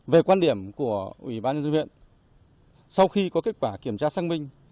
về quan điểm của ủy ban nhân dân huyện sau khi có kết quả kiểm tra xác minh